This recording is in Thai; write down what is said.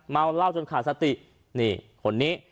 เมาเหล้าจนขาดสตินี่คนนี้